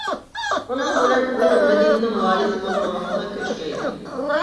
ئۇنىڭ بىلەن ئۇ مەدىنىنىڭ ۋالىسى بولغان ۋاقتىدا كۆرۈشكەن ئىدىم.